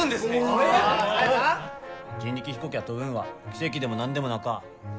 人力飛行機が飛ぶんは奇跡でも何でもなか。